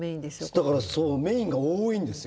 だからそうメインが多いんですよね。